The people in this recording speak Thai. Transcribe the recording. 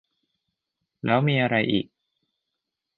แล้วมีอะไรอีก